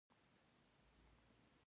موږ ستړي و.